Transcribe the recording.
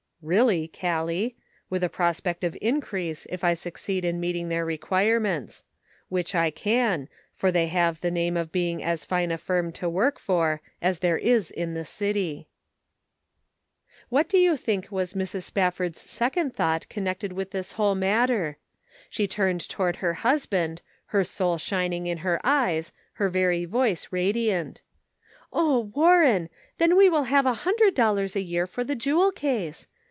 " Really, Callie ; with a prospect of increase if I succeed in meeting their requirements ; which I can, for they have the name of being as fine a firm to work for as there is in the city." Measuring Human Influence. 387 What do you think was Mrs. Spafford's sec ond thought connected with this whole matter ? She turned toward her husband, her soul shin ing in her eyes, her very voice radiant: " Oh, Warren ! then we will have a hundred dollars a year for the jewel case.